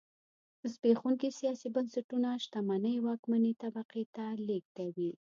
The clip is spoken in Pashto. زبېښونکي سیاسي بنسټونه شتمنۍ واکمنې طبقې ته لېږدوي.